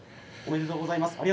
おめでとうございます。